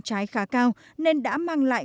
trái khá cao nên đã mang lại